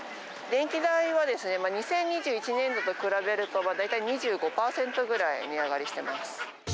電気代は、２０２１年度と比べると、大体２５％ぐらい値上がりしてます。